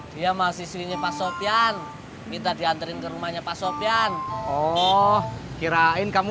dia masih sini pak sopian kita diantarin ke rumahnya pak sopian oh kirain kamu